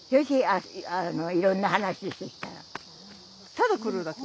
ただ来るだけ？